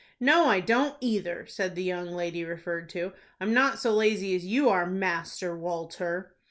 "No, I don't either," said the young lady referred to; "I'm not so lazy as you are, Master Walter."